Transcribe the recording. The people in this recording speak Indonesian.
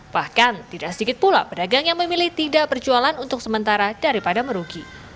bahkan tidak sedikit pula pedagang yang memilih tidak berjualan untuk sementara daripada merugi